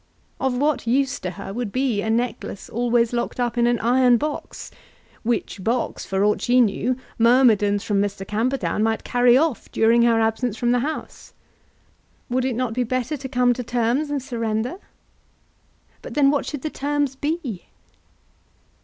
Of what use to her would be a necklace always locked up in an iron box, which box, for aught she knew, myrmidons from Mr. Camperdown might carry off during her absence from the house? Would it not be better to come to terms and surrender? But then what should the terms be?